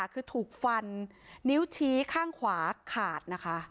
คือถูกฟันนิ้วตีข้างขวาขาด